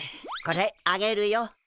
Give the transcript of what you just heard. これあげるよ。